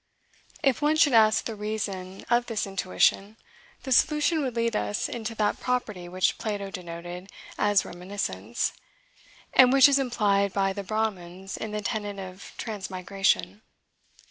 If one should ask the reason of this intuition, the solution would lead us into that property which Plato denoted as Reminiscence, and which is implied by the Bramins in the tenet of Transmigration.